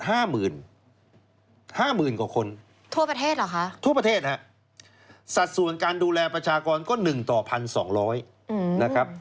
ทั่วประเทศเหรอคะทั่วประเทศครับสัตว์ส่วนการดูแลประชากรก็๑ต่อ๑๒๐๐นะครับ